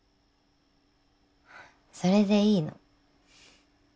それでいいの。